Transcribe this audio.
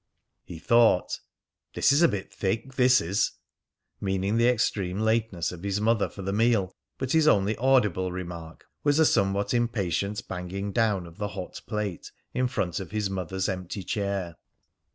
He thought, "This is a bit thick, this is!" meaning the extreme lateness of his mother for the meal. But his only audible remark was a somewhat impatient banging down of the hot plate in front of his mother's empty chair.